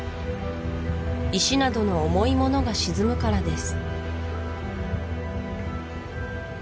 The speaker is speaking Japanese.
石などの重いものが沈むからです